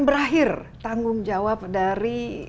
berakhir tanggung jawab dari